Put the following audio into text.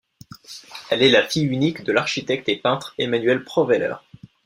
Elle est la fille unique de l'architecte et peintre Emanuel Proweller.